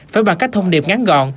phải bằng cách thông điệp ngắn gọn